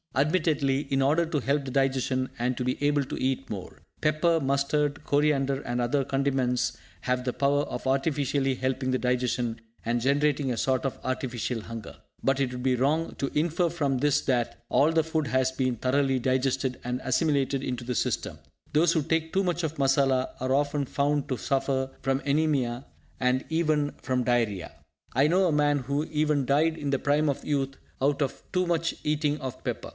Admittedly, in order to help the digestion, and to be able to eat more. Pepper, mustard, coriander and other condiments have the power of artificially helping the digestion, and generating a sort of artificial hunger. But it would be wrong to to infer from this that all the food has been thoroughly digested, and assimilated into the system. Those who take too much of masala are often found to suffer from anaemia, and even from diarrhea. I know a man who even died in the prime of youth out of too much eating of pepper.